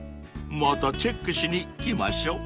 ［またチェックしに来ましょう］